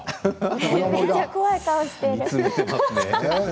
めっちゃ怖い顔してる！